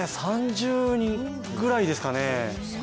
３０人ぐらいですかね？